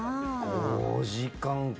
５時間か。